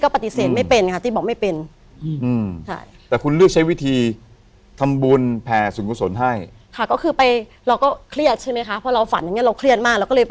ก็บอกว่าเมื่ออะไรจะพร้อม